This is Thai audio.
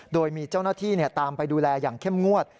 โดยมีเจ้าหน้าที่ตามไปดูแลอย่างเข้มงวด